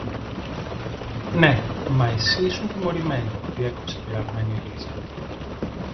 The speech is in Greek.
Ναι, μα εσύ ήσουν τιμωρημένη, διέκοψε πειραγμένη η Λίζα.